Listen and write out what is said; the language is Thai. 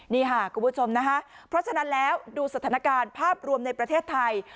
นี่ค่ะคุณผู้ชมนะคะเพราะฉะนั้นแล้วดูสถานการณ์ภาพรวมในประเทศไทย